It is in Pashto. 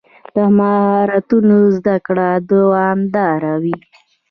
د مهارتونو زده کړه دوامداره وي.